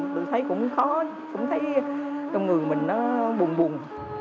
tôi thấy cũng khó cũng thấy trong người mình nó buồn bùng